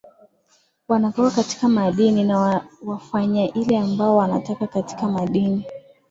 wanakuwa katika madini na wafanya ile ambao wanataka katika madini